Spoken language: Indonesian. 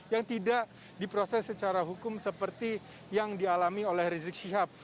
yang tidak diproses secara hukum seperti yang dialami oleh rizik syihab